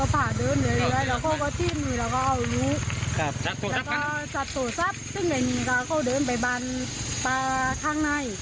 ผัวก็เลยพาลูกวิ้งเลย